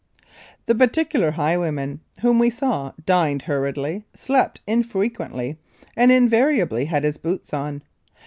The particular highwayman whom we saw dined hurriedly, slept infrequently, and invariably had his boots on.